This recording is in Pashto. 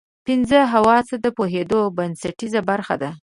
پنځه حواس د پوهېدو بنسټیزه برخه ده.